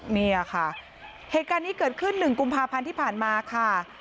เนี่ยค่ะเหตุการณ์นี้เกิดขึ้น๑กุมภาพันธ์ที่ผ่านมาค่ะ